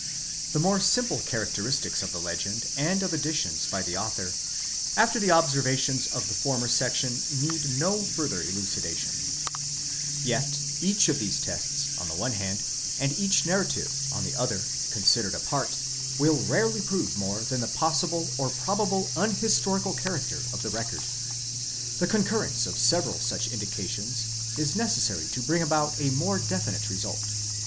The more simple characteristics of the legend, and of additions by the author, after the observations of the former section, need no further elucida tion, Yet each of these tests, on the one hand, and each narrative on the other, considered apart, will rarely prove more than the possible or probable un historical character of the record. The concurrence of several such indica tions, is necessary to bring about a more definite result.